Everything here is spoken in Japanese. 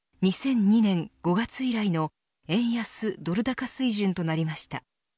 ２００２年５月以来の円安ドル高水準となりました。